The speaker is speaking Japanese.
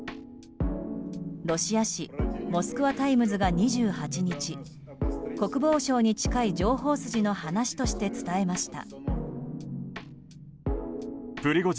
ロシア紙モスクワ・タイムズが、２８日国防省に近い情報筋の話として伝えました。